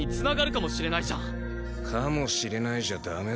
「かもしれない」じゃ駄目だろ。